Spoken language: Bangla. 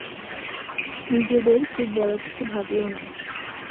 নিজেদের খুব বড় কিছু ভাবিও না।